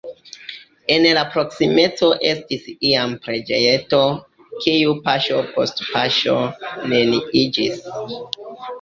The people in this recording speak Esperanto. En la proksimeco estis iam preĝejeto, kiu paŝo post paŝo neniiĝis.